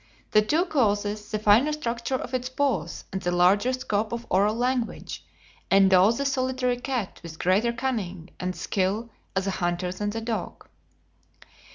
These two causes, the finer structure of its paws, and the larger scope of oral language, endow the solitary cat with greater cunning and skill as a hunter than the dog."